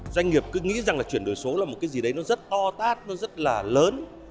doanh nghiệp cứ nghĩ rằng là chuyển đổi số là một cái gì đấy nó rất to tát nó rất là lớn